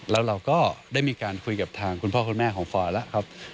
แล้วเราก็ได้มีการคุยกับทางคุณพ่อคุณแม่ของฟอยแล้วครับ